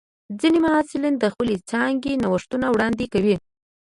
ځینې محصلین د خپلې څانګې نوښتونه وړاندې کوي.